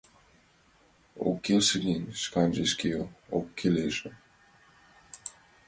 Ок келше гын, шканже шке ӧпкелыже...